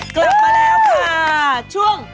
กลับมาแล้วค่ะช่วง